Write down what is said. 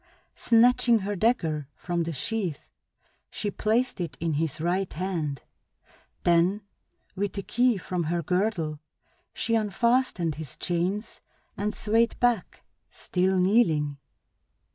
Snatching her dagger from the sheath she placed it in his right hand; then, with a key from her girdle, she unfastened his chains and swayed back, still kneeling.